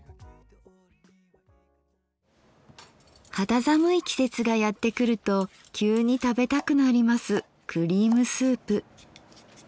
肌寒い季節がやって来ると急に食べたくなりますクリームスープ。